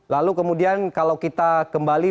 lalu kemudian kalau kita kembali